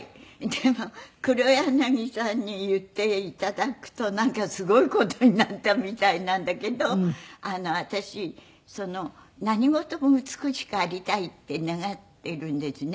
でも黒柳さんに言って頂くとなんかすごい事になったみたいなんだけど私何事も美しくありたいって願っているんですね。